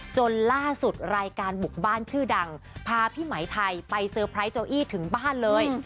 จนล่าสุดรายการบุกบ้านชื่อดังพาพี่ไหมไทยไปเซอร์ไพรส์เจ้าอี้ถึงบ้านเลย